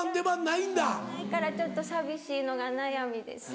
ないからちょっと寂しいのが悩みです。